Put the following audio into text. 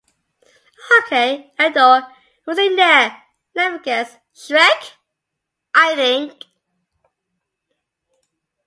Ok, a door. Who's in there, let me guess shrek? I think.